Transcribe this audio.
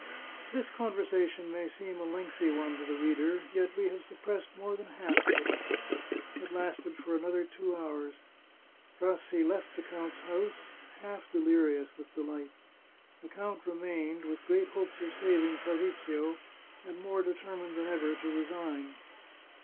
This conversation may seem a lengthy one to the reader, yet we have suppressed more than half of it. It lasted for another two hours. Rassi left the count's house, half de lirious with delight. The count remained, with great hopes of saving Fabrizio, and more determined than ever to re sign.